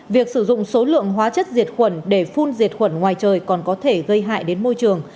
việc sử dụng số lượng hóa chất diệt khuẩn để phun diệt khuẩn ngoài trời còn có thể gây hại đến môi trường